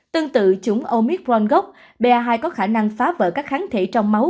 tương tự chủng omicron gốc ba hai có khả năng phá vỡ các kháng thể trong máu